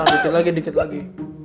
dikit lagi dikit lagi